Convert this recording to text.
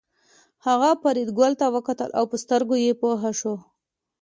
هغه فریدګل ته وکتل او په سترګو کې پوه شول